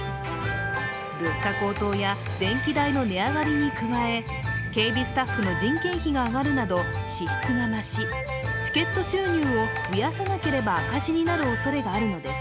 物価高騰や電気代の値上がりに加え、警備スタッフの人件費が上がるなど支出が増しチケット収入を増やさなければ赤字になるおそれがあるのです。